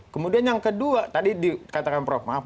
kemudian yang kedua tadi dikatakan prof maaf